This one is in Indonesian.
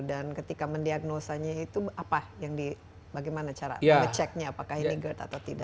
dan ketika mendiagnosanya itu apa yang di bagaimana cara meceknya apakah ini gerd atau tidak